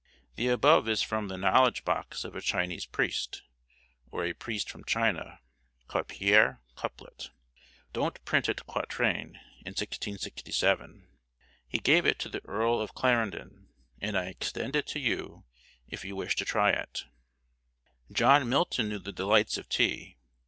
The above is from the knowledge box of a Chinese priest, or a priest from China, called Père Couplet (don't print it Quatrain), in 1667. He gave it to the Earl of Clarendon, and I extend it to you, if you wish to try it. John Milton knew the delights of tea.